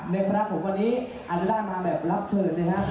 ในฝรั่งของวันนี้อันนี้ได้มาแบบรับเชิญนะครับ